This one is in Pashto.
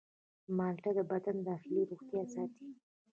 مالټه د بدن داخلي روغتیا ساتي.